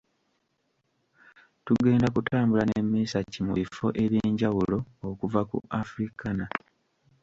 Tugenda kutambula ne Mesach mu bifo eby’enjawulo okuva ku Africana.